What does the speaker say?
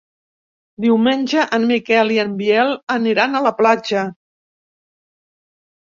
Diumenge en Miquel i en Biel aniran a la platja.